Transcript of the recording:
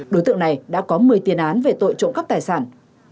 đối tượng này đã có một mươi tiền án về tội trộm cắp tài sản